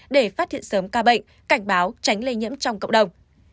để phát hiện sớm ca bệnh cảnh báo tránh lây nhiễm trong cộng đồng